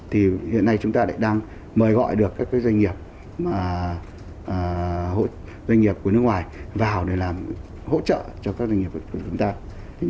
thì hiện nay chúng ta lại đang mời gọi được các doanh nghiệp của nước ngoài vào để làm hỗ trợ cho các doanh nghiệp của chúng ta